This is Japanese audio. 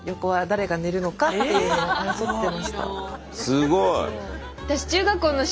すごい。